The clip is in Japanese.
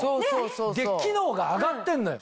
で機能が上がってんのよ。